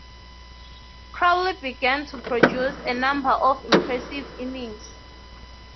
Crawley began to produce a number of impressive innings.